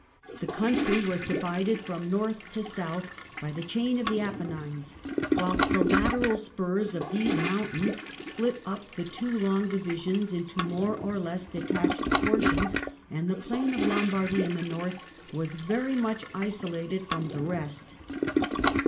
The country was divided from North to South by the chain of the Apennines, whilst the lateral spurs of these mountains split up the two long divisions into more or less detached portions, and the plain of Lombardy in the North was very much isolated from the rest.